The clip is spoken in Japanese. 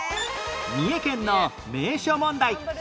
三重県の名所問題